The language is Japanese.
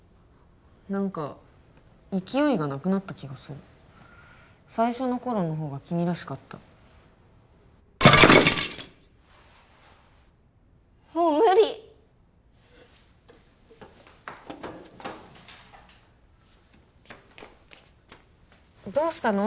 何か勢いがなくなった気がする最初の頃の方が君らしかったもう無理どうしたの？